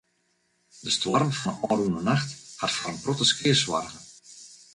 De stoarm fan de ôfrûne nacht hat foar in protte skea soarge.